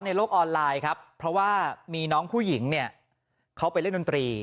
โลกออนไลน์ครับเพราะว่ามีน้องผู้หญิงเนี่ยเขาไปเล่นดนตรี